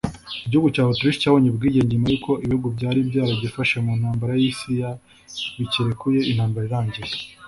Igihugu cyaAutriche cyabonye ubwigenge nyuma y’uko ibihugu byari byaragifashe mu ntambara y’isi ya bikirekuye intambara irangiye